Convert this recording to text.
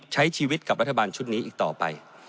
ใช้ชีวิตกับรัฐบาลชุดนี้อีกต่อไป